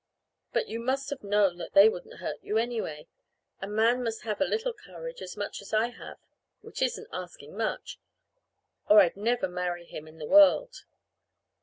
But you must have known that they wouldn't hurt you anyway. A man must have a little courage as much as I have; which isn't asking much or I'd never marry him in the world."